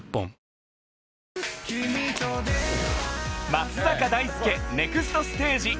『松坂大輔ネクストステージ』